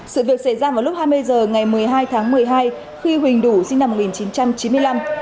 sự việc xảy ra vào lúc hai mươi h ngày một mươi hai tháng một mươi hai khi huỳnh đủ sinh năm một nghìn chín trăm chín mươi năm